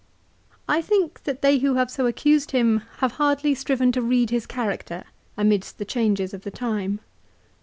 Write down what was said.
I think that they who have so accused him have hardly striven to read his character amidst the changes of the time.